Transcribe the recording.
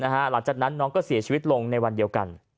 หลังจากนั้นน้องก็เสียชีวิตลงในวันเดียวกัน